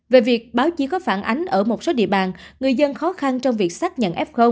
về việc báo chí có phản ánh ở một số địa bàn người dân khó khăn trong việc xác nhận f